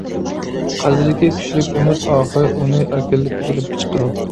قەلبىدىكى كۈچلۈك ئۈمىد ئاخىرى ئۇنى ئەركىنلىككە ئېلىپ چىقىدۇ.